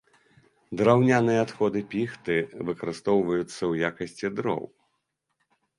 Драўняныя адходы піхты выкарыстоўваюцца ў якасці дроў.